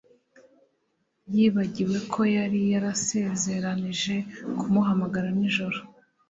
Yibagiwe ko yari yarasezeranije kumuhamagara nijoro